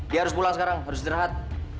dia harus pulang sekarang harus istirahat